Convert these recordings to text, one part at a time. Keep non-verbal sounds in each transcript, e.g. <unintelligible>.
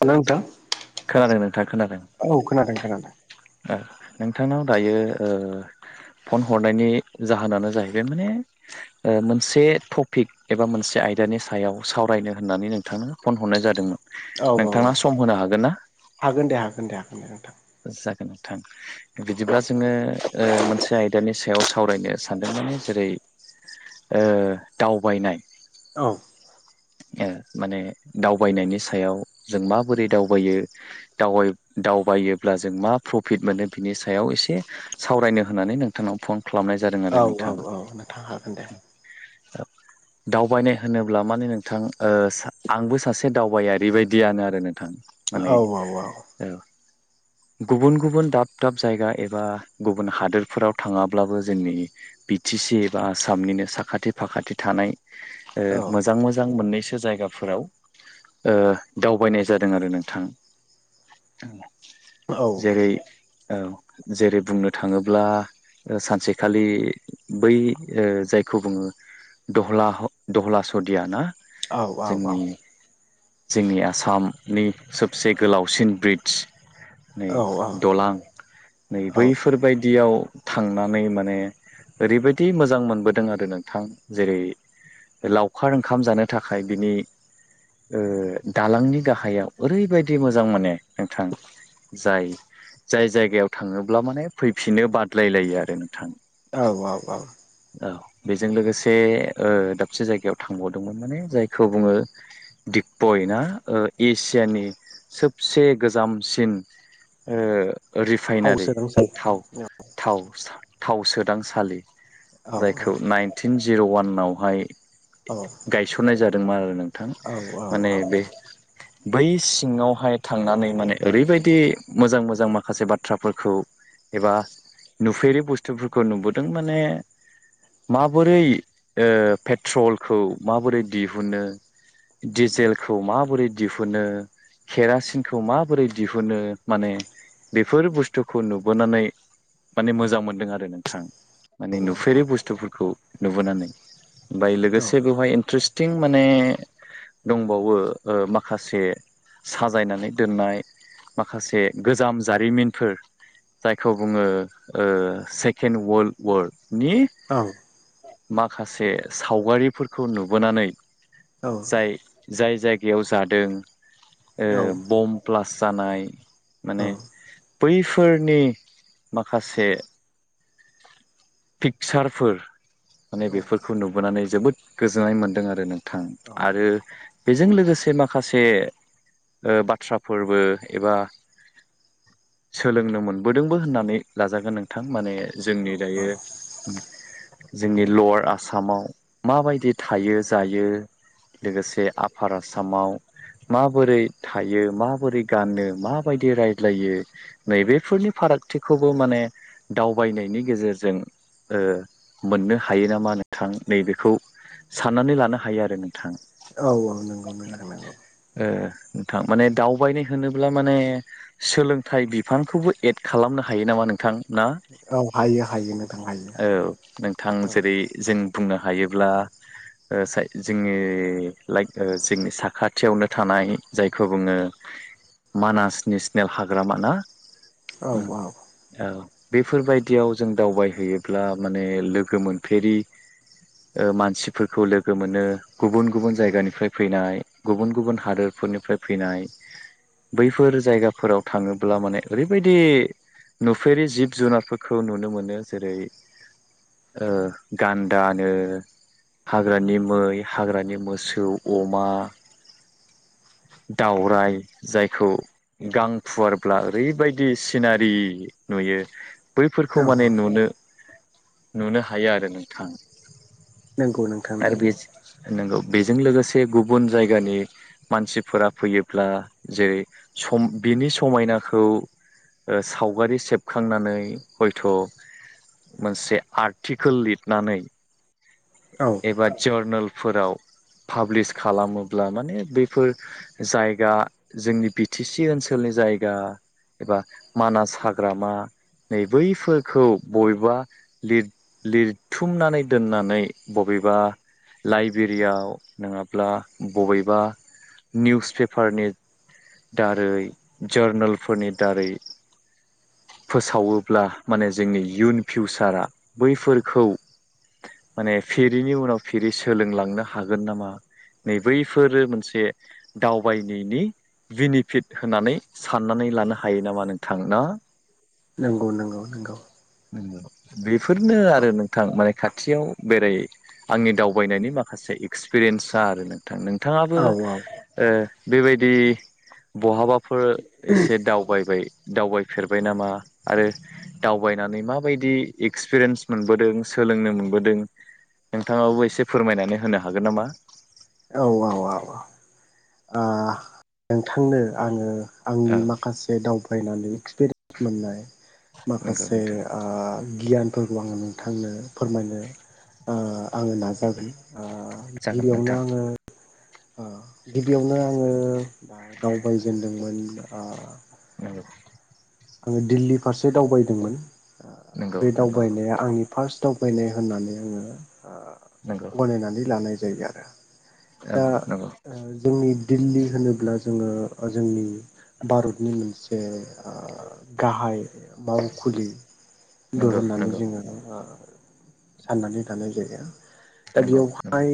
Hello नोंथां खोनादों नोंथाङ खोनादों। औ <unintelligible> नोंथांनाव दायो ओ। फन हरनायनि जाहोनानो जाहैबाय माने मोनसे ओ टपिक एबा मोनसे आयदानि सायाव सावरायनो होननानै नोंथांनो फन हरनाय जादोंमोन औ औ औ नोंथाङा सम होनो हागोन ना? हागोन दे हागोन दे हागोन दे नोंथां। जागोन नोंथां बिदिब्ला जोङो ओ मोनसे आयदानि नि सायाव सावरायनो सानदों माने जेरै ओ दावबायनाय। औ। माने दावबायनायनि सायाव जों माबोरै दावबायो दावबाय। दावबायोब्ला जों मा प्रफिट मोनो बिनि सायाव एसे सावरायनो होननानै नोंथांनाव फन खालामनाय जादों आरो औ औ नोंथां। औ नोंथां हागोन दे दावबायनाय होनोब्ला माने नोंथां आंबो सासे दावबायारि ओरैबायदियानो आरो नोंथां माने औ औ औ। गुबुन गुबुन दाब दाब जायगा एबा गुबुन हादोरफोराव थाङाब्लाबो जोंनि बि टि सि एबा आसामनिनो साखाथि फाखाथि थानाय औ मोजां मोजां। मोननैसो जायगाफोराव ओ दावबायनाय जादों आरो नोंथां। औ जेरै- औ जेरै बुंनो थाङोब्ला सानसेखालि बै जायखौ बुङो दहला दहला सदिया ना। औ औ औ। जोंनि जोंनि आसामनि सबसे गोलावसिन ब्रिज नै दालां नै बैफोरबायदियाव थांनानै माने ओरैबायदि मोजां मोनबोदों आरो नोंथां जेरै लावखार ओंखाम जानाय थाखाय बिनि दालांनि गाहायाव ओरैबायदि मोजां माने नोंथां जाय। जाय जायगायाव थाङोब्ला माने फैफिनो बादलायलायो आरो नोंथां। औ औ। औ बेजों लोगोसे ओ दाबसे जायगायाव थांबावदोंमोन। माने जायखौ बुङो दिपपय ना एसियानि। सबसे गोजामसिन थाव रिफाइनारि सोलोंसै थाव थाव- थाव सोदांसालि औ औ जायखौ नाइनटिन जिर' वानावहाय औ। गायसननाय जादोंमोन आरो नोंथां माने बे बै सिङावहाय थांनानै माने ओरैबायदि मोजां मोजां माखासे बाथ्राफोरखौ एबा नुफेरि बुस्थुफोरखौ नुबोदों माने माबोरै ओ पेट्रलखौ माबोरै दिहुनो दिजेलखौ माबोरै दिहुनो केरासिनखौ माबोरै दिहुनो माने बेफोर बुस्थुखौ नुबोनानै माने मोजां मोनदों आरो नोंथां। माने नुफेरै बुस्थुफोरखौ नुबोनानै ओमबाय लोगोसे बेयाव। ट्रिस्टिं माने दंबावो ओ माखासे साजायनानै दोननाय माखासे गोजाम जारिमिनफोर जायखौ बुङो ओ सेकेण्ड वाल्ड वार्ड नि माखासे सावगारिफोरखौ नुबोनानै जाय जाय जायगायाव जादों ओ बम ब्लास जानाय माने बैफोरनि माखासे पिकचारफोर माने बेफोरखौ नुबोनानै जोबोद गोजोननाय मोनदों आरो नोंथां आरो बेजों लोगोसे माखासे ओ बाथ्राफोरबो एबा सोलोंनो मोनबोदोंबो होननानै लाजागोन नोंथां माने जोंनि दायो जोंनि लवार आसामाव माबायदि थायो जायो लोगोसे आफार आसामाव माबोरै थायो माबोरै गानो माबायदि रायज्लायो नै बेफोरनि फार रागथिखौबो माने दावबायनायनि गेजेरजों ओ मोननो हायो नामा नोंथां नैबेखौ साननानै लानो हायो आरो नों थां नंगौ नोंथां नंगौ ओ नोंथां माने दावबायनाय होनोब्ला माने सोलोंथाइ बिफांखौबो एड खालामनो हायो नामा नोंथां ना औ हायो हायो नोंथां हायो औ नोंथां औ जेरै - जों बुंनो हायोब्ला ओ जाय जोंनि लाइक जोंनि साखाथियावनो थानाय जायखौ बुङो मानास नेसनेल हाग्रामा ना औ ओम औ बेफोरबायदियाव जों दावबायहैयोब्ला माने लोगो मोनफेरि ओ मानसिफोरखौ लोगो मोनो गुबुन गुबुन औ औ जायगानिफ्राय फैनाय गुबुन गुबुन हादरफोरनिफ्राय फैनाय बैफोर जायगाफोराव थाङोब्ला माने ओरैबायदि नुफेरि जिब जुनारफोरखौ नुनो मोनो जेरै ओ गान दानो हाग्रानि मै हाग्रानि मोसौ अमा दावराय जायखौ गां फुवारब्ला ओरैबायदि सिनारि नुयो। बैफोरखौ माने नुनो नुनो हायो आरो नोंथां नंगौ नोंथां आरो नंगौ बेस नोंगौ बेजों लोगोसे गुबुन जायगानि मानसिफोरा फैयोब्ला जेरै- सम बि बिनि समायनाखौ ओ सावगारि सेबखांनानै हयथ' मोनसे आर्टिकोल लिरनानै औ एबा जार्नोल फोराव पाब्लिस खालामोब्ला माने बेफोर जायगा जोंनि बि टि सि ओनसोलनि जायगा एबा मानास हाग्रामा नै बैफोरखौ बबेबा लिथ-लिरथुमनानै दोननानै बबेबा लाइब्रेरियाव नोङाब्ला बबेबा निउस पेपारनि दारै जारनोलफोरनि दारै फोसावोब्ला माने जोंनि इयुन फिउचारा बैफोरखौ माने फेरिनि उनाव फेरि सोलोंलांनो हागोन नामा नैबैफोरो मोनसे दावबायनायनि बेनिफिट होननानै साननानै लानो हायो नामा नोंथां ना? नंगौ नंगौ नंगौ। बेफोरनो औ आरो नोंथां माने खाथियाव बेरायै आंनि दावबायनायनि माखासे एक्सपिरियेन्सा आरो नों थां नोंथाङाबो औ ओ बेबायदि बहाबा फोर एसे दावबायबाय दावबायफेरबाय नामा आरो दावबायनानै माबायदि एक्सपिरियेन्स मोनबोदों? सोलोंनो मोनबोदों नोंथाङाबो एसे फोरमायनानै होनो हागोन नामा? औ औ औ ओ नोंथांनो आङो औ आंनि माखासे दावबायनानै एक्सपिरियेन्स मोननाय नंगौ माखासे नोंथां गियानफोरखौ आङो नोंथांनो फोरमायनो आङो नाजागोन जागोन गिबियावनो नोंथां आं गिबियावनो आङो दावबायजेनदोंमोन आङो दिल्ली फारसे दावबायदोंमोन नंगौ नंगौ बे नंगौ दावबायनाया आंनि फार्स्ट दाव बायनाय होननानै आङो नंगौ गनायनानै लानाय जायो आरो। दा नंगौ जोंनि दिल्ली होनोब्ला जोङो जोंनि भारतनि मोनसे गाहाय मावखुलिबो नंगौ होननानै नंगौ जोङो साननानै थानाय जायगाया। दा नंगौ नंगौ बेयावहाय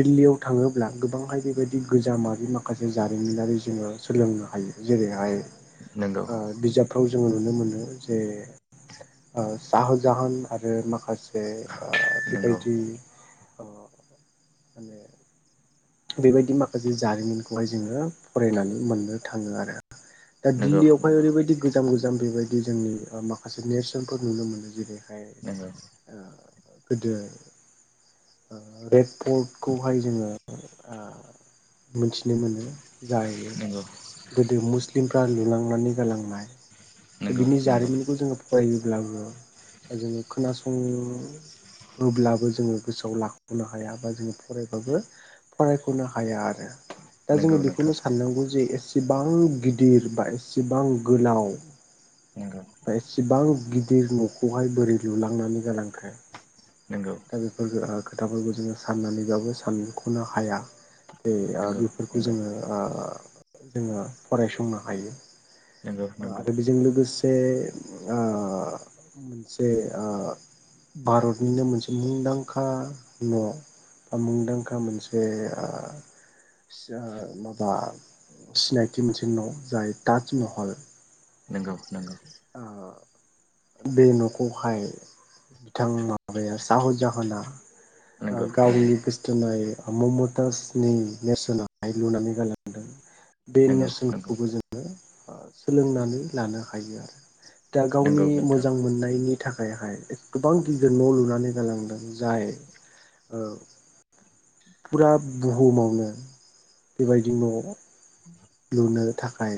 दिल्लीयाव थाङोबा ब्ला गोबांहाय बेबायदि गोजामि माखासे जारिमिनारि जोङो सोलोंनो हायो जेरैहाय नंगौ बिजाबफ्राव जोङो नुनो मोनो जे साह जाहोन आरो माखासे बे नंगौ गायथि बेबायदि माखासे जारिमिनखौहाय जोङो फरायनानै मोननो थाङो आरो। दा नंगौ नंगौ दिल्लीयावहाय ओरैबायदि गोजाम गोजाम बेबायदि जोंनि माखासे नेेरसोनफोर नुनो मोनो जेरै गोदो रेड पर्टखौहाय जोङो मिथिनो मोनो जाय गोदो मुस्लिमफ्रा लुलांनानै गालांनाय दा नंगौ बिनि नंगौ जारिमिनखौ जोङो फरायोब्लाबो जोङो खोनासं अब्लाबो जोङो गोसोआव लाखनो हाया बा जोङो फरायबाबो फरायख'नो हाया आरो‌ दा नंगौ जोङो बेखौनो नोंथां साननांगौ जे एसेबां गिदिर बा एसेबां गोलाव नंगौ बा एसेबां गिदिर न'खौहाय बोरै लुलांनानै गालांखो नंगौ दा बेफोर खोथाफोरखौ जोङो साननानैबाबो सानख'नो हाया। बे नंगौ बेफोरखौ नंगौ जोङो जोङो फरायसंनो हायो। नंगौ नंगौ आरो बेजों लोगोसे मोनसे भारतनिनो मोनसे मुंदांखा न' मुंदांखा मोनसे माबा सिनायथि मोनसे न' जाय ताजमहल नंगौ नंगौ। ओ बे न'खौहाय बिथां माबाया साह जाहोना नंगौ नंगौ गावनि गोसो थोनाय मम्मताजनि नेरसोनहाय लुनानै गालांदों। बे नंगौ नंगौ नेरसोनखौबो जोङो सोलोंनानै लानो हायो आरो। दा गावनि नंगौ नोंथां मोजां मोननायनि नि थाखायहाय गोबां गिदिर न' लुनानै गालांदों जाय फुरा बुहुमावनो बेबायदि न'आव लुनो थाखाय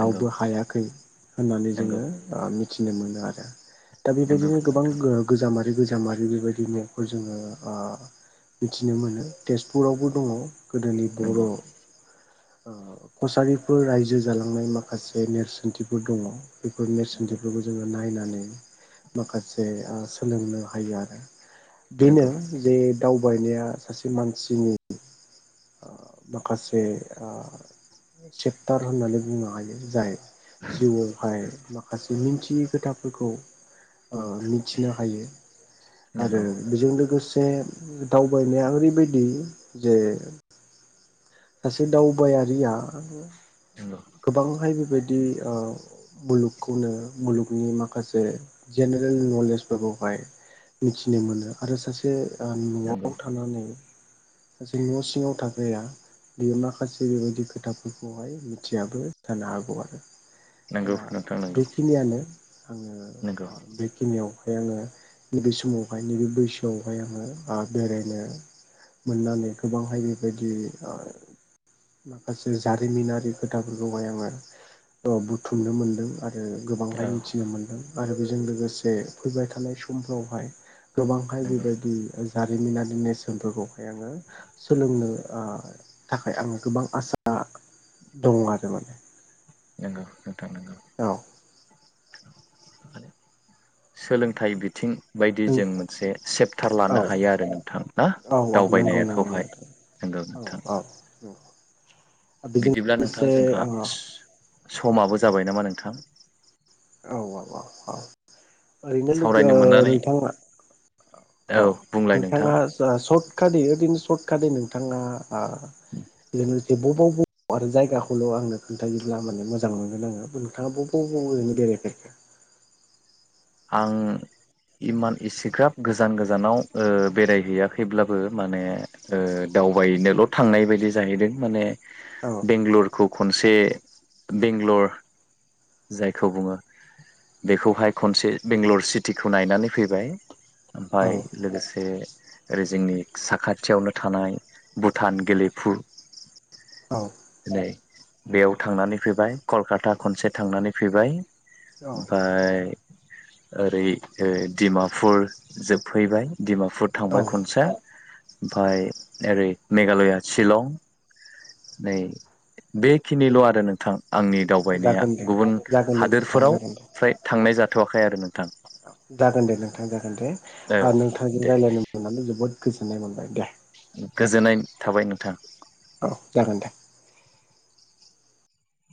नंगौ रावबो हायाखै होननानै नंगौ जोङो मिथि मिथिनो मोनो आरो दा नंगौ बेबायदिनो गोबां नोंथां गोजाम आरो गोजाम बिजामारि बेबायदि मेगखौ जोङो ओ मिथिनो मोनो तेजपुरावबो दङ। गोदोनि बर' नंगौ नंगौ अ कसारिफोर रायजो जालांनाय माखासे नेरसोनथिफोर दङ। बेफोर नंगौ नेरसोनथिफोरखौ जोङो नायनानै माखासे ओ सोलोंनो हायो आरो। बेनो नंगौ नंगौ जे दावबायनाया सासे मानसिनि ओ माखासे ओ सेक्टार होननानै बुंनो हायो जाय जिउआवहाय माखासे मिथियै खोथाफोरखौ ओ मिथिनो हायो आरो नंगौ बेजों लोगोसे से दावबायनाया ओरैबादि जे सासे दावबायारिया गोबांहाय बेबायदि ओ मुलुगखौनो मुलुगनि माखासे जेनेरेल नलेजफोरखौ बेवहाय मिथिनो मोनो आरो सासे न'आव थानानै सासे न' सिङाव थाग्राया बियो माखासे बेबायदि खोथाफोरखौहाय मिथियाबो जानो हागौ आरो। दा नंगौ नोंथां बेखिनियानो आङो नंगौ बेखिनियाव ओमफ्राय आङो नैबे समावहाय नैबे बैसोआवहाय आङो बेरायनो मोननानै गोबांहाय बेबायदि आ माखासे जारिमिनारि खोथाफोरखौहाय आङो ओ बुथुमनो मोनदों आरो गोबांहाय औ मिथिनो मोनदों। आरो बेजों लोगोसे फैबाय थानाय समफ्रावहाय गोबांहाय नंगौ बेबायदि जारिमिनारि नेरसोनफोरखौहाय आङो सोलोंनो आ थाखाय आङो गोबां आसा दङ आरो माने। नोंगौ नोंथां नोंगौ। औ। सोलोंथाइ बिथिं बायदि जों मोनसे सेपटार औ लानो हायो आरो नोंथां ना औ औ नंगौ नंगौ दावबायनायखौहाय। नोंथां नंगौ औ नोंथां। औ बेजों बिदिब्ला लोगोसे नोंथाङा जोंहा औ समाबो जाबाय नामा नोंथां? औ औ औ औ ओरैनो लोगो सावरायनो मोननानै नोंथाङा औ बुंलाय नोंथां नोंथाङा सर्ट काट ओरैनो सर्ट काटयै नोंथाङा <unintelligible> जे बबाव बबाव आरो जायगाखौल' आंनो खोन्थायोब्ला माने मोजां मोनगोन आङो नोंथांआ बबाव बबाव ओरैनो <unintelligible> आं इमान एसेग्राब गोजान गोजानाव ओ बेरायहैयाखैब्लाबो माने ओ दावबायनोल' थांनाय बायदि जाहैदों माने औ बेंगलरखौ खनसे बेंगलर जायखौ बुङो। बेखौहाय खनसे बेंगलर सिटिखौ नायनानै फैबाय। औ ओमफ्राय लोगोसे ओरै जोंनि साखाथियावनो थानाय भुटान गेलेफु औ नै बेयाव थांनानै फैबाय कलकाता खनसे थांनानै फैबाय। औ ओमफ्राय ओरै ओ डिमापुर जोबफैबाय डिमापुर थांबाय औ खनसे। ओमफाय ओरै मेघालया शिलं नै बेखिनिल' आरो नोंथां। आंनि दावबायनाया जागोन दे गुबुन जागोन दे नोंथां हादोरफोराव जागोन दे फ्राय थांनाय जाथ'वाखै आरो नोंथां। जागोन दे नोंथां जागोन दे औ ओ नोंथांजों दे रायज्लायनो मोननानै जोबोद गोजोननाय मोनबाय दे। गोजोननाय थाबाय नोंथां। औ जागोन दे।